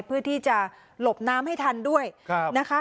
เพื่อที่จะหลบน้ำให้ทันด้วยนะคะ